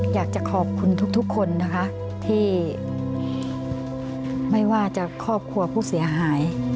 อยากจะขอบคุณทุกคนนะคะที่ไม่ว่าจะครอบครัวผู้เสียหาย